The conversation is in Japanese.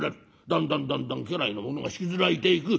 だんだんだんだん家来の者が引きずられていく。